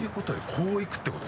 こういくってこと？